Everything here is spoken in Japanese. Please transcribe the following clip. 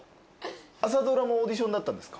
朝ドラもオーディションだったんですか？